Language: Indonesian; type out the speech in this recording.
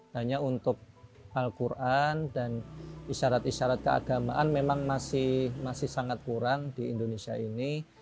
hanya untuk al quran dan isyarat isyarat keagamaan memang masih sangat kurang di indonesia ini